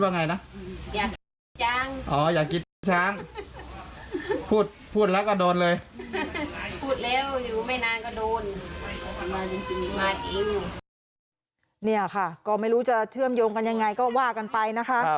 เนี่ยค่ะก็ไม่รู้จะเชื่อมโยงกันยังไงก็ว่ากันไปนะคะ